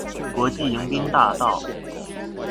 國際迎賓大道